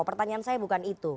pertanyaan saya bukan itu